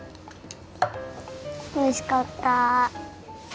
おいしかった。